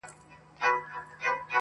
زما له زړه څخه غمونه ولاړ سي,